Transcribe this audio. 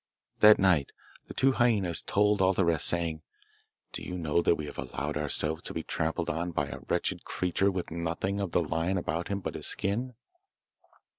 That night the two hyaenas told all the rest, saying, 'Do you know that we have allowed ourselves to be trampled on by a wretched creature with nothing of the lion about him but his skin?